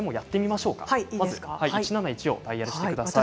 まず１７１をダイヤルしてください。